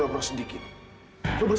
lo akan mengerti dua ribu empat